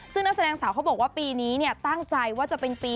ซึ่งนักแสดงสาวเขาบอกว่าปีนี้เนี่ยตั้งใจว่าจะเป็นปี